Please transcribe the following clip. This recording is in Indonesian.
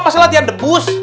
masa latihan debus